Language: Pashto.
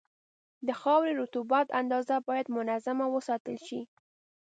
د خاورې رطوبت اندازه باید منظمه وساتل شي.